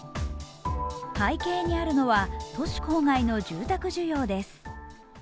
背景にあるのは都市郊外の住宅需要です。